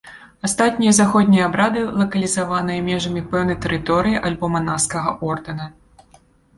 Астатнія заходнія абрады лакалізаваныя межамі пэўнай тэрыторыі альбо манаскага ордэна.